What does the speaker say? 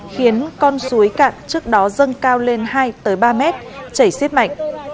khiến con suối cạn trước đó dâng cao lên hai ba mét chảy xiết mạnh